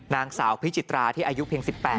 นางสาวพิจิตราที่อายุเพียง๑๘